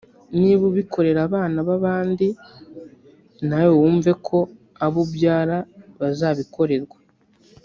niba ubikorera abana b’ababandi na we wumve ko abo ubyara bazabikorerwa